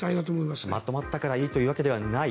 まとまったからいいというわけではない。